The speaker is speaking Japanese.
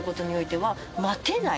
はい。